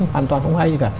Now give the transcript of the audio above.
hoàn toàn không hay gì cả